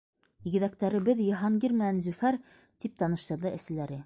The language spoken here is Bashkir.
- Игеҙәктәребеҙ, Йыһангир менән Зөфәр, - тип таныштырҙы әсәләре.